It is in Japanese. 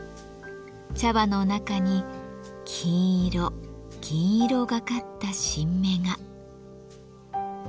茶葉の中に金色銀色がかった新芽が。